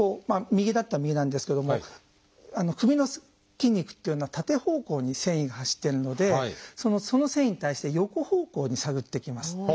右だったら右なんですけども首の筋肉っていうのは縦方向に線維が走ってるのでその線維に対して横方向に探っていきます。